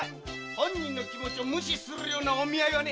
本人の気持ちを無視するようなお見合いはね